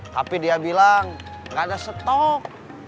tapi dia bilang gak ada stok